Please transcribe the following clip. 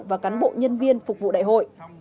và cán bộ nhân viên phục vụ đại hội